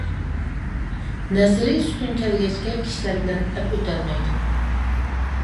نەزىرى ئۈستۈن كەلگەچكە كىشىلەر بىلەن ئەپ ئۆتەلمەيدۇ.